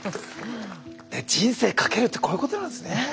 人生かけるってこういうことなんですね。